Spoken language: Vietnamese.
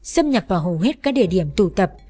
xâm nhập vào hầu hết các địa điểm tụ tập